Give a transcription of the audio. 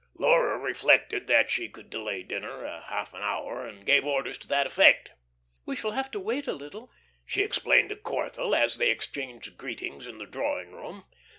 Laura reflected that she could delay dinner a half hour, and gave orders to that effect. "We shall have to wait a little," she explained to Corthell as they exchanged greetings in the drawing room.